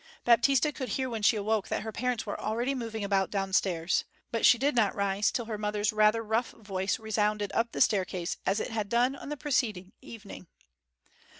Baptista could hear when she awoke that her parents were already moving about downstairs. But she did not rise till her mother's rather rough voice resounded up the staircase as it had done on the preceding evening.